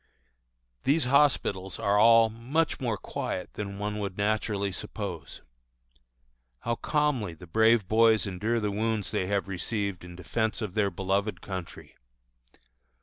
These hospitals are all much more quiet than one would naturally suppose. How calmly the brave boys endure the wounds they have received in defence of their beloved country!